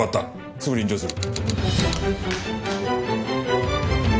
すぐ臨場する。